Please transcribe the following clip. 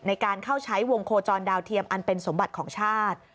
ในการเข้าใช้วงโคจรดาวเทียมอันเป็นสมบัติของชาติ